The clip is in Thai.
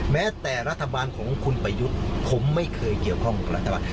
แม้แต่รัฐบาลของคุณประยุทธ์ผมไม่เคยเกี่ยวข้องกับรัฐบาล